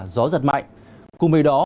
gió giật mạnh cùng với đó